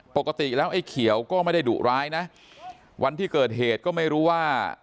ปกติแล้วไอ้เขียวก็ไม่ได้ดุร้ายนะวันที่เกิดเหตุก็ไม่รู้ว่า